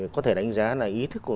có thể đánh giá là ý thức của